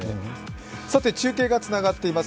中継がつながっています。